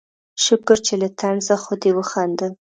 شکر چې له طنزه خو دې وخندل